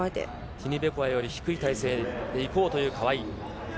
ティニベコワより低い体勢でいこうという川井。